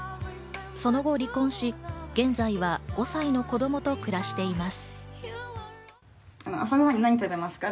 その後、離婚し現在は５歳の子供と暮らしています。